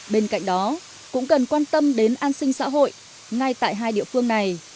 bên cạnh đó cũng cần quan tâm đến an sinh xã hội ngay tại hai địa phương này